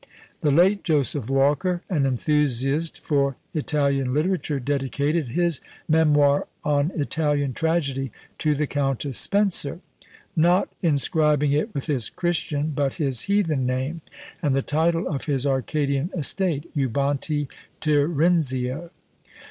The late Joseph Walker, an enthusiast for Italian literature, dedicated his "Memoir on Italian Tragedy" to the Countess Spencer; not inscribing it with his Christian but his heathen name, and the title of his Arcadian estate, Eubante Tirinzio!